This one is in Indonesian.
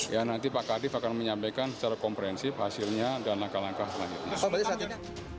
ya nanti pak kadif akan menyampaikan secara komprehensif hasilnya dan langkah langkah selanjutnya